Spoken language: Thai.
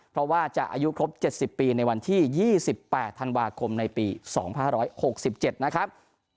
เพราะว่าจะอายุครบ๗๐ปีในวันที่๒๘ธันวาคมในปี๒๕๖๗นะครับ